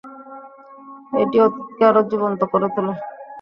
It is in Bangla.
এটি অতীতকে আরো জীবন্ত করে তোলে।